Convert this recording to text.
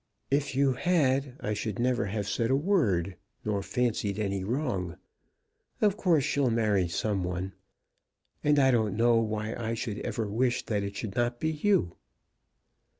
"If you had I should never have said a word, nor fancied any wrong. Of course she'll marry some one. And I don't know why I should ever wish that it should not be you."